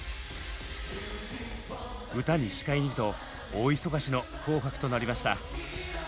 歌に司会にと大忙しの「紅白」となりました。